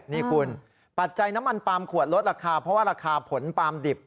นี่คุณปัจจัยน้ำมันปาล์มขวดลดราคาเพราะว่าราคาผลปาล์ดิบ